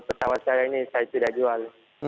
pesawat sekarang ini saya sudah jual